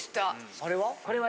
あれは？